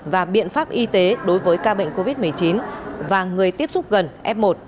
và biện pháp y tế đối với ca bệnh covid một mươi chín và người tiếp xúc gần f một